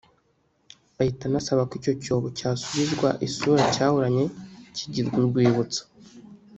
ahita anasaba ko icyo cyobo cyasubizwa isura cyahoranye kigirwa urwibutso